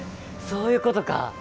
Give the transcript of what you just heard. そういうことか！